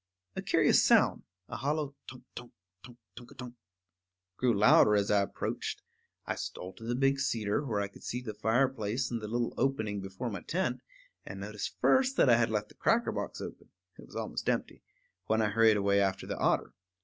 A curious sound, a hollow tunk, tunk, tunk, tunk a tunk, grew louder as I approached. I stole to the big cedar, where I could see the fireplace and the little opening before my tent, and noticed first that I had left the cracker box open (it was almost empty) when I hurried away after the otter.